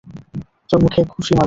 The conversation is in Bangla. তোর মুখে এক ঘুষি মারব।